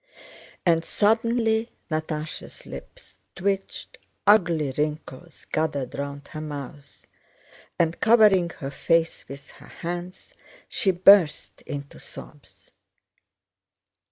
And suddenly, Natásha's lips twitched, ugly wrinkles gathered round her mouth, and covering her face with her hands she burst into sobs.